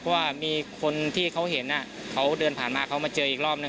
เพราะว่ามีคนที่เขาเห็นเขาเดินผ่านมาเขามาเจออีกรอบนึ